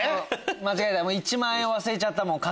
間違えた。